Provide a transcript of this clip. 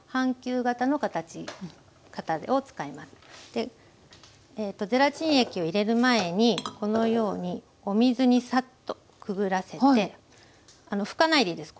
でゼラチン液を入れる前にこのようにお水にサッとくぐらせて拭かないでいいです。